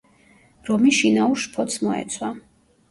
რომი შინაურ შფოთს მოეცვა.